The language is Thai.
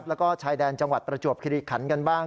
แล้วก็ชายแดนจังหวัดประจวบคิริขันกันบ้าง